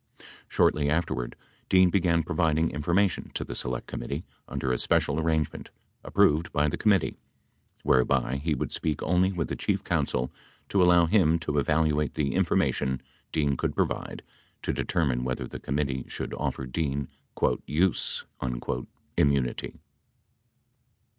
72 Shortly afterward, Dean began providing information to the Select Committee imder a special arrangement, approved by the committee, whereby he would speak only with the chief counsel to allow him to evaluate the information Dean could provide to determine whether the committee should offer Dean "use" immunity.